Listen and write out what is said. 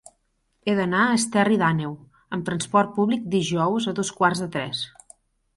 He d'anar a Esterri d'Àneu amb trasport públic dijous a dos quarts de tres.